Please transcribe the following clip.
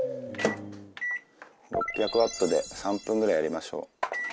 ６００ワットで３分ぐらいやりましょう。